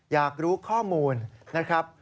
อยากรู้ข้อมูลนะครับ